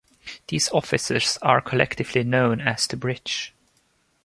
These officers are collectively known as the Bridge.